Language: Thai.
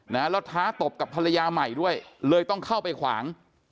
แล้วท้าตบกับภรรยาใหม่ด้วยเลยต้องเข้าไปขวาง